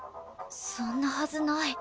そんなはずない。